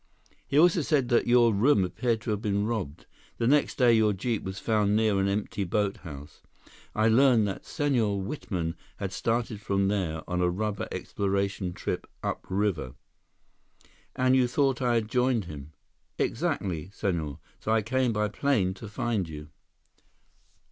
He also said that your room appeared to have been robbed. The next day your jeep was found near an empty boathouse. I learned that Senhor Whitman had started from there on a rubber exploration trip upriver." "And you thought I had joined him?" "Exactly, Senhor. So I came by plane to find you."